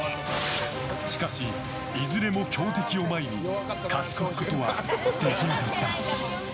しかし、いずれも強敵を前に勝ち越すことはできなかった。